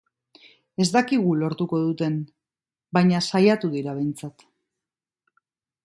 Ez dakigu lortuko duten, baina saiatu dira behintzat.